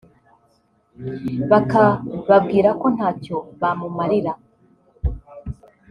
bakababwira ko ntacyo bamumarira